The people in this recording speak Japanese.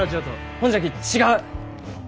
ほんじゃき違う。